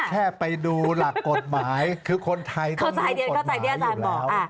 แค่ไปดูหลักกฎหมายคือคนไทยต้องรู้กฎหมายอยู่แล้ว